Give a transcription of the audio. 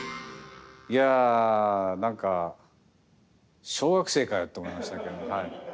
いや何か小学生かよと思いましたけど。